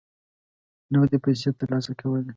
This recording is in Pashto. نغدي پیسې ترلاسه کولې.